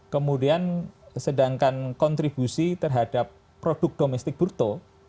kemudian sedangkan kontribusi terhadap produk domestik bruto